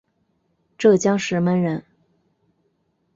浙江石门人。